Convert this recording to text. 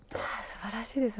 すばらしいです。